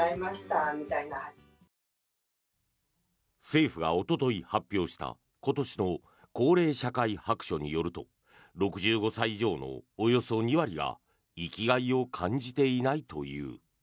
政府がおととい発表した今年の高齢社会白書によると６５歳以上のおよそ２割が生きがいを感じていないという。